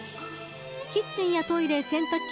キッチンやトイレ、洗濯機